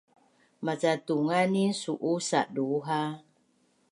maca tunganunin su’u sadu ha